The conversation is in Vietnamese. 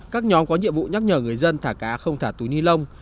các nhóm có nhiệm vụ nhắc nhở người dân thả cá không thả túi ni lông